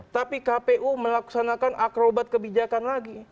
tapi kpu melaksanakan akrobat kebijakan lagi